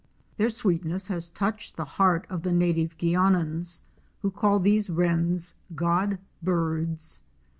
Their sweetness has touched the heart of the native Guianans, who call these Wrens God birds.